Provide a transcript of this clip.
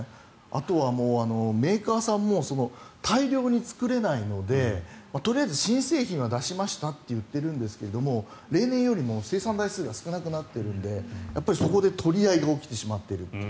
あとはメーカーさんも大量に作れないのでとりあえず新製品は出しましたと言っているんですが例年よりも生産台数が少なくなっているのでそこで取り合いが起きてしまっていると。